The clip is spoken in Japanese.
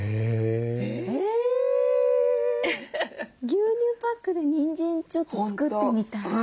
牛乳パックでにんじんちょっと作ってみたい。